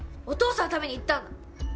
お父さんのために言ったんだ。